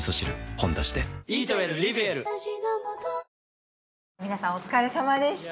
「ほんだし」で皆さんお疲れさまでした。